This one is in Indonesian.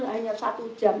hanya satu jam